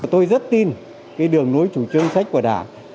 tôi rất tin cái đường nối chủ chương sách của đảng